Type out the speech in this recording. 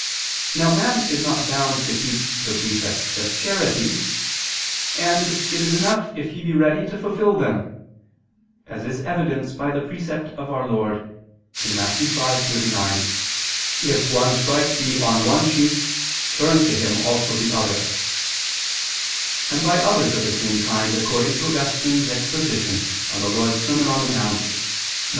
Now man is not bound to keep the precepts of charity, and it is enough if he be ready to fulfil them: as is evidenced by the precept of Our Lord (Matt. 5:39): "If one strike thee on one [Vulg.: 'thy right'] cheek, turn to him also the other"; and by others of the same kind, according to Augustine's exposition (De Serm. Dom. in Monte xix).